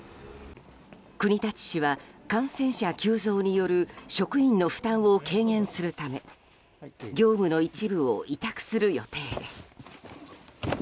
国立市は感染者急増による職員の負担を軽減するため業務の一部を委託する予定です。